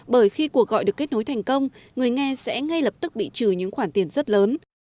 bởi khi cuộc gọi được kết nối thành công người nghe sẽ ngay lập tức bị trừ những khoản tiền rất lớn